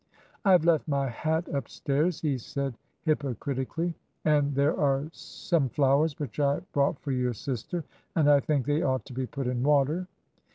"I have left my hat upstairs," he said, hypocritically, "and there are some flowers which I brought for your sister, and I think they ought to be put in water."